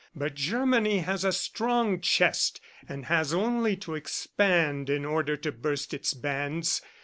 But Germany has a strong chest and has only to expand in order to burst its bands.